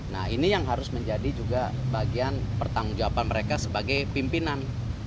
nah ini yang harus menjadi juga bagian pertanggung jawaban mereka sebagai pimpinan